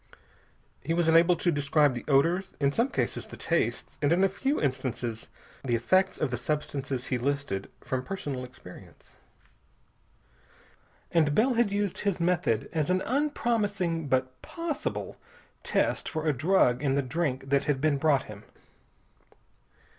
He was enabled to describe the odors, in some cases the tastes, and in a few instances the effects of the substances he listed, from personal experience. And Bell had used his method as an unpromising but possible test for a drug in the drink that had been brought him.